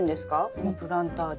このプランターで。